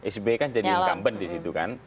sby kan jadi incumbent di situ kan